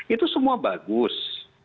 itu semua bagus